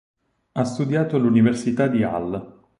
Ha studiato all'Università di Hull.